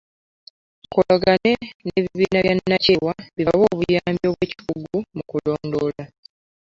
Mukolagane n’ebibiina bya nnakyewa bibawe obuyambi obw’ekikugu mu kulondoola.